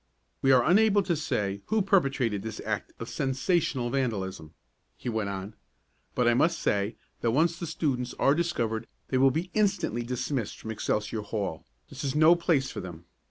"We are unable to say who perpetrated this act of sensational vandalism," he went on, "but I may say that once the students are discovered they will be instantly dismissed from Excelsior Hall this is no place for them.